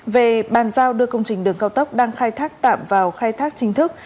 về bàn giao đưa công trình đường cao tốc đang khai thác tạm vào khai thác chính thức